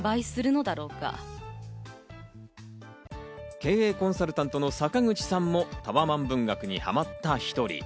経営コンサルタントの坂口さんも、タワマン文学にハマった１人。